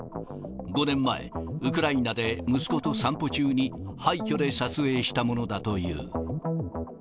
５年前、ウクライナで息子と散歩中に廃虚で撮影したものだという。